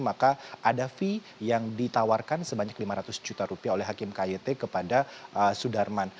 maka ada fee yang ditawarkan sebanyak lima ratus juta rupiah oleh hakim kyt kepada sudarman